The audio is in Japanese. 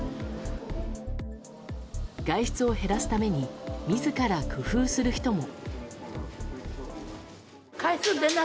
外出を減らすために自ら工夫する人も。